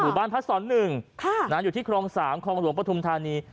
บ้านพระสอน๑อยู่ที่ครอง๓ครองหลวงปฐุมธานี